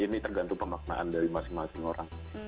ini tergantung pemaknaan dari masing masing orang